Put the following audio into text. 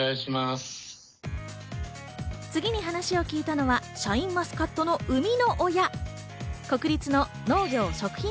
次に話を聞いたのは、シャインマスカットの生みの親、国立の農業促進